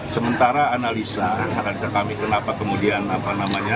sementara analisa analisa kami kenapa kemudian apa namanya